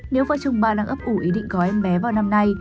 nếu vợ chồng ba đang ấp ủ ý định gói em bé vào năm nay